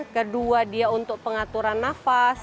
kedua dia untuk pengaturan nafas